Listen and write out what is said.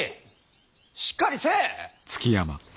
しっかりせい！